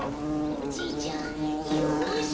おじいちゃんよし！